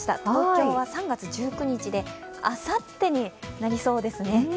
東京は３月１９日で、あさってになりそうですね。